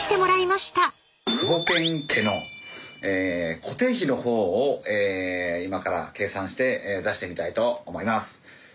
クボケン家の固定費のほうを今から計算して出してみたいと思います。